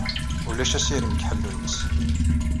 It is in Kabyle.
Ulac asirem deg ḥellu-ines.